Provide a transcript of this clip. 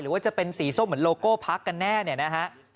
ว่าจะเป็นสีส้มเหมือนโลโก้พักกันแน่เนี่ยนะฮะ